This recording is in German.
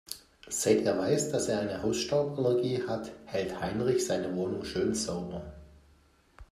Seit er weiß, dass er eine Hausstauballergie hat, hält Heinrich seine Wohnung schön sauber.